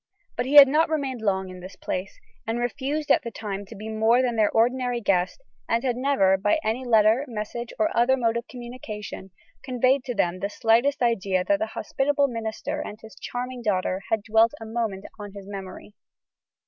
But he had not remained long at this place; and refused at the time to be more than their ordinary guest; and had never, by any letter, message, or other mode of communication, conveyed to them the slightest idea that the hospitable minister and his charming daughter had dwelt a moment on his memory.